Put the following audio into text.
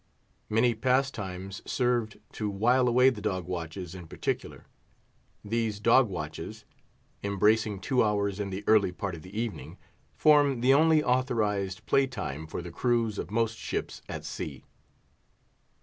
Many pastimes served to while away the Dog Watches in particular. These Dog Watches (embracing two hours in the early part of the evening) form the only authorised play time for the crews of most ships at sea.